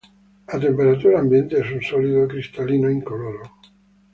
A temperatura ambiente es un sólido cristalino incoloro.